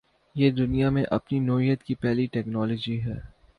یہ دنیا میں اپنی نوعیت کی پہلی ٹکنالوجی ہے۔